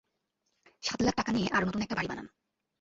সাত লাখ টাকা নিয়ে আর নতুন একটা বাড়ি বানান।